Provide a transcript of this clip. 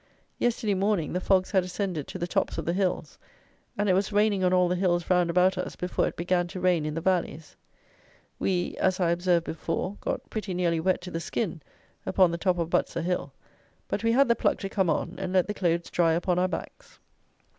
Yesterday morning the fogs had ascended to the tops of the hills; and it was raining on all the hills round about us before it began to rain in the valleys. We, as I observed before, got pretty nearly wet to the skin upon the top of Butser hill; but we had the pluck to come on and let the clothes dry upon our backs.